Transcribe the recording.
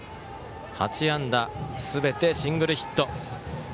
８安打すべてシングルヒット。